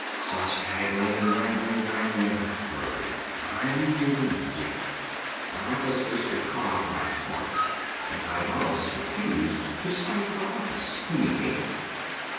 Such haggling and wrangling I never heard. I'm nearly deaf. Aratus wished to cut out my heart, and Ivanos refused, to spite Aratus, whom he hates.